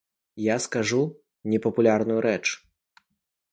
Я скажу непапулярную рэч.